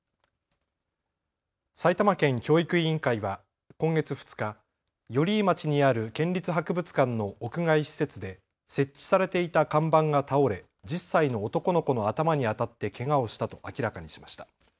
埼玉県教育委員会は今月２日、寄居町にある県立博物館の屋外施設で設置されていた看板が倒れ、１０歳の男の子の頭に当たってけがをしたと明らかにしました。